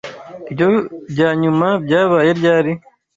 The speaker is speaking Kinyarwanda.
Ibyo byanyuma byabaye ryari?